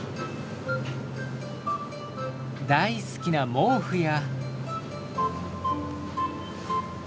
大好きな毛布や。